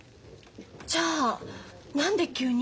じゃあ何で急に？